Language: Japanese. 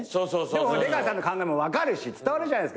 でも出川さんの考えも分かるし伝わるじゃないっすか。